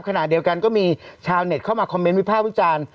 ขณะเดียวกันก็มีชาวเน็ตเข้ามาคอมเมนต์วิภาควิจารณ์